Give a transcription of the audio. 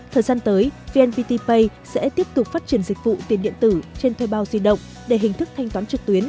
thời gian tới vnpt pay sẽ tiếp tục phát triển dịch vụ tiền điện tử trên thuê bao di động để hình thức thanh toán trực tuyến